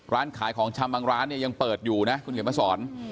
ร้านขายของชำบางร้านเนี่ยยังเปิดอยู่นะคุณเขียนมาสอน